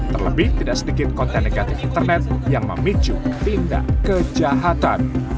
terlebih tidak sedikit konten negatif internet yang memicu tindak kejahatan